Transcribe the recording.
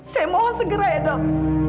saya mohon segera ya dok